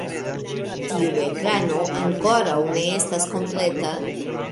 Tiu ekrano ankoraŭ ne estas kompleta.